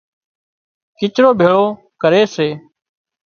ڪچرو ڀيۯو ڪري سي